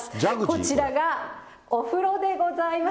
こちらがお風呂でございます。